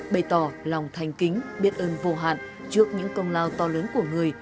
bày tỏ lòng thanh kính biết ơn vô hạn trước những công lao to lớn của người